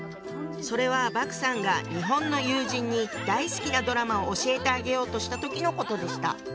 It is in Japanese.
それは莫さんが日本の友人に大好きなドラマを教えてあげようとした時のことでした。